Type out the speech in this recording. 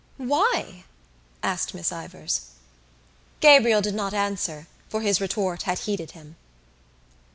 "Why?" asked Miss Ivors. Gabriel did not answer for his retort had heated him.